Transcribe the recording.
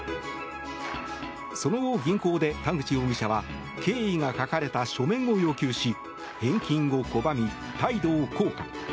その後、銀行で田口容疑者は経緯が書かれた書面を要求し返金を拒み、態度を硬化。